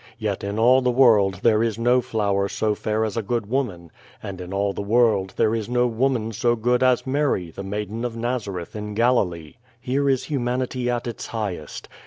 Yet in all the world there is no flower so fair as a good woman, and in all the world there is no woman so good as Mary the maiden of Nazareth in Galilee. Here is Humanity at its highest.